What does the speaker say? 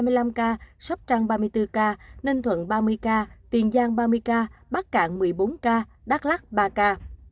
hai mươi năm ca sóc trăng ba mươi bốn ca ninh thuận ba mươi ca tiền giang ba mươi ca bắc cạn một mươi bốn ca đắk lắc ba ca